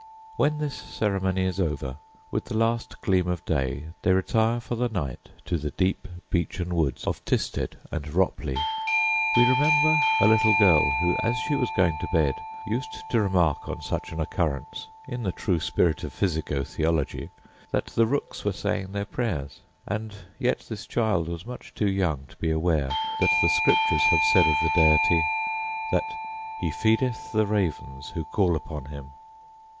When this ceremony is over, with the last gleam of day, they retire for the night to the deep beechen woods of Tisted and Ropley. We remember a little girl who, as she was going to bed, used to remark on such an occurrence, in the true spirit of physico theology, that the rooks were saying their prayers; and yet this child was much too young to be aware that the scriptures have said of the Deity — that 'he feedeth the ravens who call upon him.